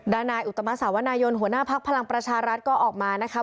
นายอุตมะสาวนายนหัวหน้าพักพลังประชารัฐก็ออกมานะคะ